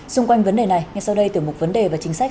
xung quanh vấn đề này ngay sau đây tiểu mục vấn đề và chính sách